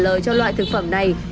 trả lời cho loại thực phẩm này